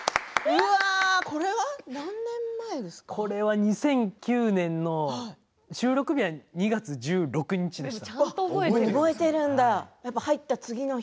これは２００９年の２月１６日でした。